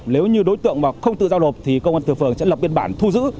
nếu như đối tượng không tự giao nộp thì công an phường sẽ lập biên bản thu giữ